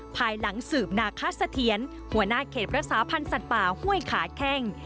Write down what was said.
ภายหลังสืบนาคสะเทียนหัวหน้าเขตรักษาพันธ์สัตว์ป่าห้วยขาแข้ง